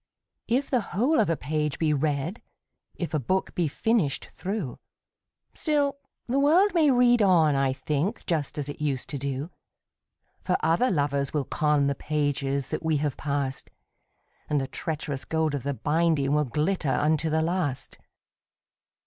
II. If the whole of a page be read, If a book be finished through, Still the world may read on, I think, Just as it used to do; For other lovers will con The pages that we have passed, And the treacherous gold of the binding Will glitter unto the last.